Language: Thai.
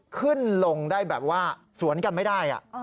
ขึ้นลงได้แบบว่าสวนกันไม่ได้